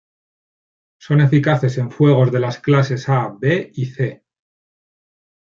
Son eficaces en fuegos de las clases A, B y C,